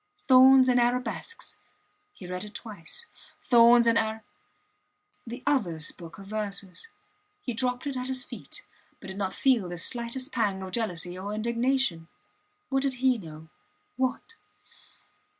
Thorns and Arabesques. He read it twice, Thorns and Ar ........ The others book of verses. He dropped it at his feet, but did not feel the slightest pang of jealousy or indignation. What did he know? ... What?